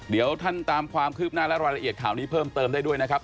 เดี๋ยวท่านตามความคืบหน้าและรายละเอียดข่าวนี้เพิ่มเติมได้ด้วยนะครับ